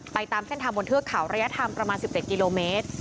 ตามเส้นทางบนเทือกเขาระยะทางประมาณ๑๗กิโลเมตร